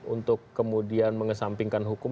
untuk kemudian mengesampingkan hukum